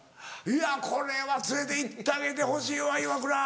いやこれは連れて行ってあげてほしいわイワクラ。